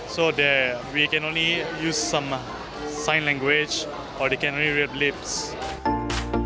jadi kita hanya bisa menggunakan bahasa tanda atau mereka hanya bisa menulis lipat